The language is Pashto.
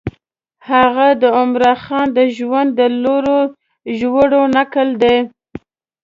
هغه د عمرا خان د ژوند د لوړو ژورو نکل دی.